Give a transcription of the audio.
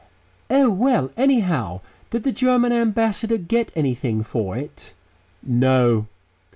"Oh! Well, anyhow, did the German Ambassador get anything for it?" "No."